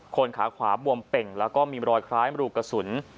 คนขาขวาบวมเป่งแล้วก็มีรอยคล้ายมรูกระสุน